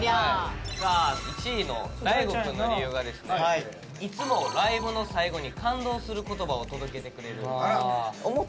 さあ１位の大吾くんの理由がですねいつもライブの最後に感動する言葉を届けてくれる。